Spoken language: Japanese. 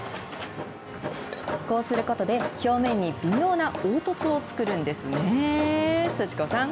こうすることで、表面に微妙な凹凸を作るんですね、すち子さん。